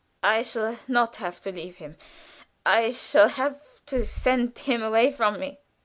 "I shall not have to leave him. I shall have to send him away from me."